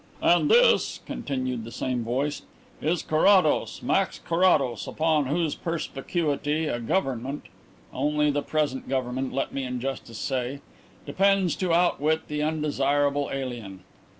"And this," continued the same voice, "is Carrados, Max Carrados, upon whose perspicuity a government only the present government, let me in justice say depends to outwit the undesirable alien!